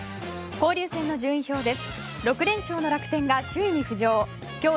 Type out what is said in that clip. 交流戦の順位表です。